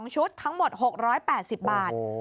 ชุดทั้งหมด๖๘๐บาท